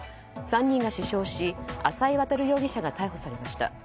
３人が死傷し浅井渉容疑者が逮捕されました。